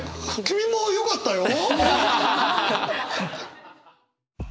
君もよかったよ！